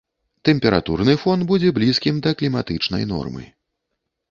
Тэмпературны фон будзе блізкім да кліматычнай нормы.